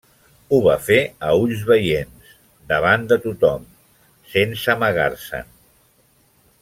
Ho va fer a ulls veients, davant de tothom, sense amagar-se'n.